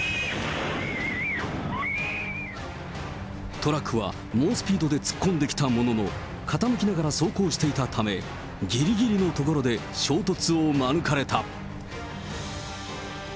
トラックは猛スピードで突っ込んできたものの、傾きながら走行していたため、ぎりぎりのところで衝突を免れた。